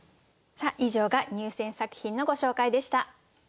以上が入選作品のご紹介でした。